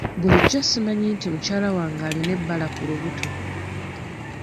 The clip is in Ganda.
Bulijjo simanyi nti mukyala wange alina ebbala ku lubuto.